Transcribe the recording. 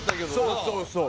そうそうそう。